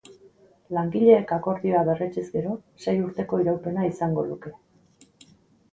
Langileek akordioa berretsiz gero, sei urteko iraupena izango luke.